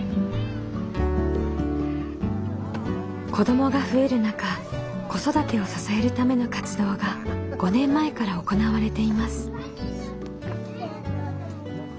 子どもが増える中子育てを支えるための活動が５年前から行われています。